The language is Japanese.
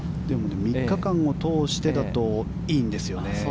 ３日間を通してだといいんですよね。